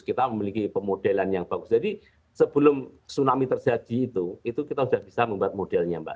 kita memiliki pemodelan yang bagus jadi sebelum tsunami terjadi itu itu kita sudah bisa membuat modelnya mbak